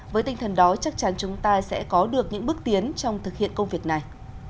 với tinh thần đó chắc chắn chúng ta sẽ có được những bước tiến trong thực hiện công việc này